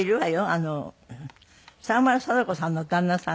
あの沢村貞子さんの旦那さんがね。